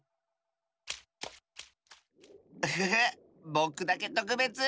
ぼくだけとくべつ！